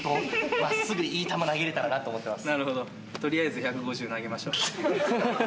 真っすぐいい球投げれたらなと思ってます。